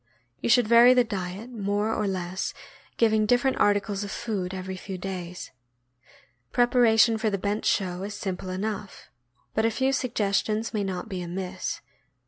You should vary the diet more or less, giving different articles of food every few days. Preparation for the bench show is simple enough, but a few suggestions may not be amiss.